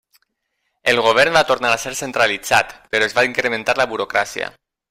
El govern va tornar a ser centralitzat però es va incrementar la burocràcia.